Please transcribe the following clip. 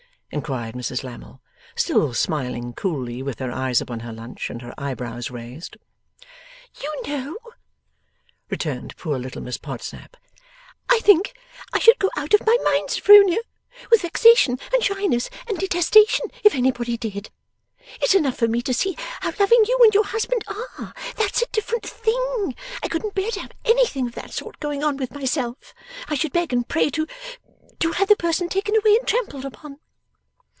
inquired Mrs Lammle, still smiling coolly with her eyes upon her lunch, and her eyebrows raised. 'YOU know,' returned poor little Miss Podsnap. 'I think I should go out of my mind, Sophronia, with vexation and shyness and detestation, if anybody did. It's enough for me to see how loving you and your husband are. That's a different thing. I couldn't bear to have anything of that sort going on with myself. I should beg and pray to to have the person taken away and trampled upon.